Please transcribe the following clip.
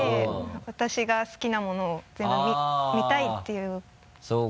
私が好きなものを全部見たいっていう感じで。